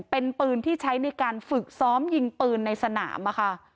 เป็นปืนที่ใช้ในการฝึกซ้อมยิงปืนในสนามค่ะ